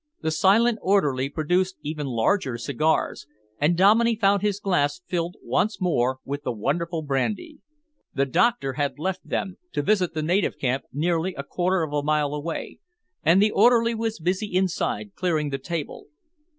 The silent orderly produced even larger cigars, and Dominey found his glass filled once more with the wonderful brandy. The doctor had left them to visit the native camp nearly a quarter of a mile away, and the orderly was busy inside, clearing the table.